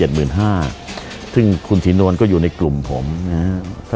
ซึ่งคุณศรีนวลก็อยู่ในกลุ่มผมนะครับ